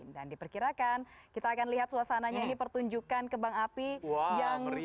dan diperkirakan kita akan lihat suasananya ini pertunjukan kembang api yang meriah